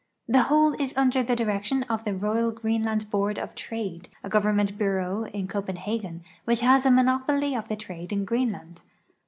The whole is under the direction of the Royal (Jreen land Board of Trade, a government bureau in Copenhagen which has a monoi)oly of the trade of Greenland.